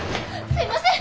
すいません！